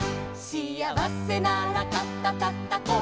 「しあわせなら肩たたこう」「」